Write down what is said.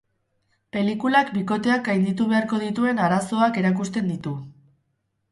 Pelikulak bikoteak gainditu beharko dituen arazoak erakusten ditu.